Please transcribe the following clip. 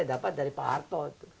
ya saya dapat dari pak harto